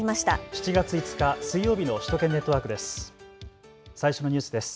７月５日水曜日の首都圏ネットワークです。